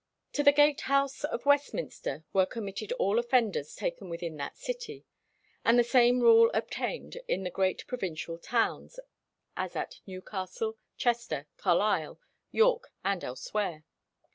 To the gate house of Westminster were committed all offenders taken within that city; and the same rule obtained in the great provincial towns, as at Newcastle, Chester, Carlisle, York, and elsewhere.